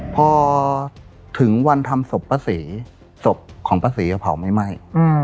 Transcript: พอถึงวันทำศพป้าศรีศพของป้าศรีก็เผาไม่ไหม้